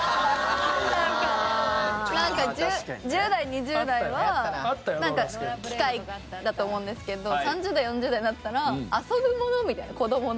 なんか１０代２０代は機械だと思うんですけど３０代４０代になったら遊ぶものみたいな子供の。